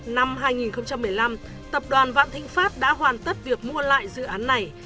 năm hai nghìn một mươi năm tập đoàn vạn thịnh pháp đã hoàn tất việc mua lại dự án này